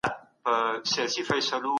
ولي ښوونکي په ټولګۍ کي ټکنالوژي کاروي؟